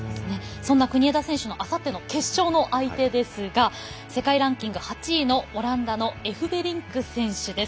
そんな国枝選手のあさっての決勝の相手ですが世界ランキング８位のオランダのエフベリンク選手です。